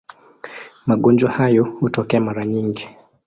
Magonjwa hayo hutokea mara nyingi.